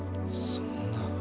そんな。